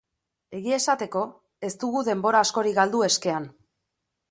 Egia esateko, ez dugu denbora askorik galdu eskean.